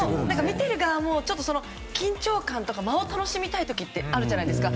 見ている側も緊張感とか間を楽しみたい時ってあるじゃないですか。